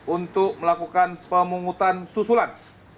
untuk melakukan pemungutan susulan